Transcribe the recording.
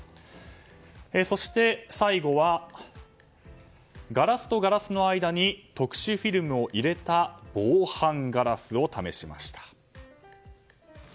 そして、最後はガラスとガラスの間に特殊フィルムを入れた防犯ガラスを試しました。